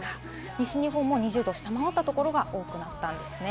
西日本も２０度を下回ったところが多くなったんですね。